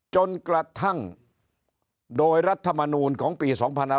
จนกระทั่งโดยรัฐมนูลของปี๒๕๕๙